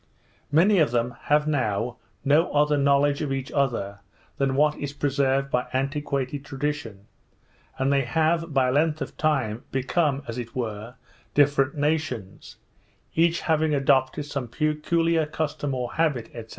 Many of them have now no other knowledge of each other, than what is preserved by antiquated tradition; and they have, by length of time, become, as it were, different nations, each having adopted some peculiar custom or habit, &c.